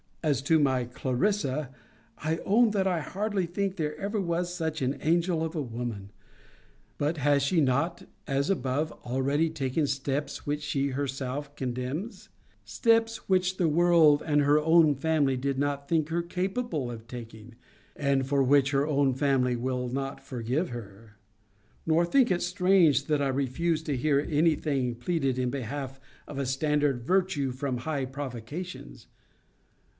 As to my CLARISSA, I own that I hardly think there ever was such an angel of a woman. But has she not, as above, already taken steps, which she herself condemns? Steps, which the world and her own family did not think her capable of taking? And for which her own family will not forgive her? Nor think it strange, that I refuse to hear any thing pleaded in behalf of a standard virtue from high provocations.